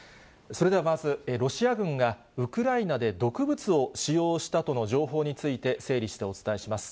それではまず、ロシア軍がウクライナで毒物を使用したとの情報について、整理してお伝えします。